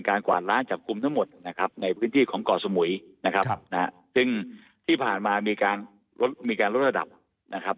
ในพื้นที่ของก่อสมุยซึ่งที่ผ่านมามีการลดระดับ